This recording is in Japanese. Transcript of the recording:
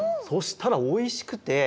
そしたらおいしくて！